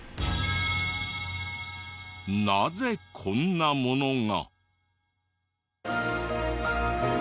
なぜこんなものが？